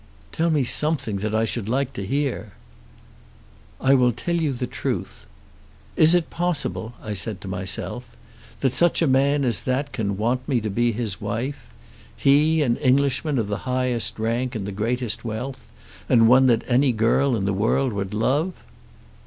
"Tell me something that I should like to hear." "I will tell you the truth. 'Is it possible,' I said to myself, 'that such a man as that can want me to be his wife; he an Englishman, of the highest rank and the greatest wealth, and one that any girl in the world would love?'"